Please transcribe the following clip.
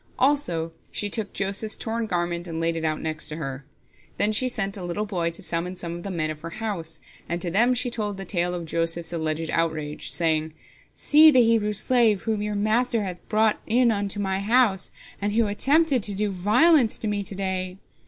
Also she took Joseph's torn garment, and laid it out next to her. Then she sent a little boy to summon some of the men of her house, and to them she told the tale of Joseph's alleged outrage, saying: "See the Hebrew slave, whom your master hath brought in unto my house, and who attempted to do violence to me to day!